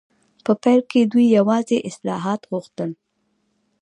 په پیل کې دوی یوازې اصلاحات غوښتل.